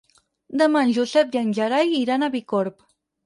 Demà en Josep i en Gerai iran a Bicorb.